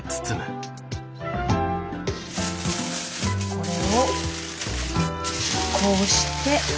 これをこうして。